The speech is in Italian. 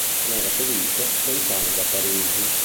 Non era felice lontano da Parigi.